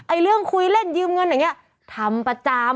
เรื่องคุยเล่นยืมเงินอย่างนี้ทำประจำ